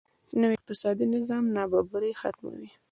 نوی اقتصادي نظام نابرابري ختموي.